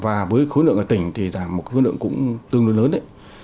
và với khối lượng ở tỉnh thì giảm một khối lượng cũng tương đối lớn đấy